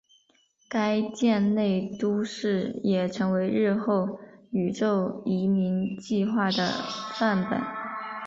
该舰内都市也成为日后宇宙移民计画的范本。